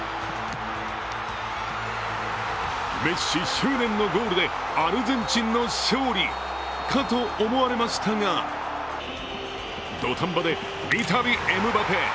メッシ執念のゴールでアルゼンチンの勝利かと思われましたが土壇場で三たびエムバペ。